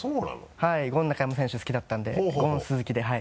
はいゴン中山選手好きだったんで「ゴン鈴木」ではい。